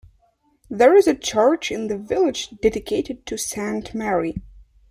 There is a church in the village dedicated to Saint Mary.